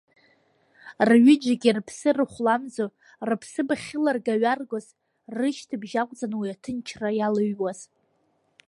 Рҩыџьагьы рыԥсы рыхәламӡо рыԥсыԥ ахьыларга-ҩаргоз, рышьҭыбжь акәӡан уи аҭынчра иалыҩуаз.